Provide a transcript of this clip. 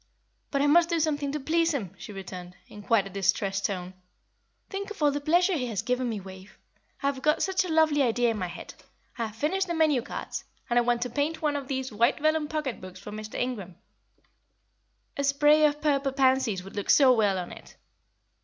"But I must do something to please him," she returned, in quite a distressed tone. "Think of all the pleasure he has given me, Wave. I have got such a lovely idea in my head. I have finished the menu cards, and I want to paint one of these white velum pocket books for Mr. Ingram a spray of purple pansies would look so well on it.